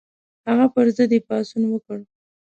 هغه پر ضد یې پاڅون وکړ.